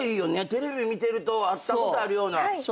テレビ見てると会ったことあるような。